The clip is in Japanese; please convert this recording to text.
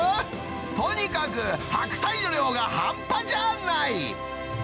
とにかく白菜の量が半端じゃない。